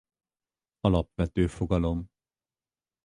Alapvető fogalom.